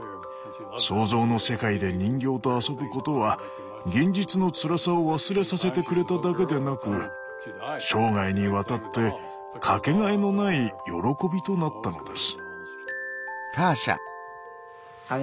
想像の世界で人形と遊ぶことは現実のつらさを忘れさせてくれただけでなく生涯にわたって掛けがえのない喜びとなったのです。